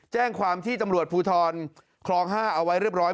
แจ้งความที่ตำรวจภูทรคลอง๕เอาไว้เรียบร้อย